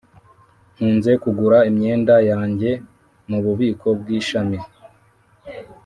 nkunze kugura imyenda yanjye mububiko bwishami.